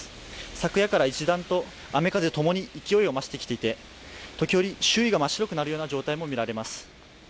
昨夜から一段と雨風ともに勢いを増してきてて時折周囲が真っ白くなるような状態も見られます